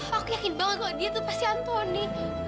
aku yakin banget kalau dia itu pasti antoni